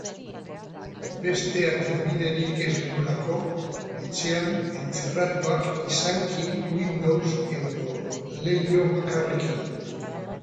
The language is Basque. Beste aterabiderik ez genuelako, etxean entzerratuak izanki windows edo leiho bakarrekin.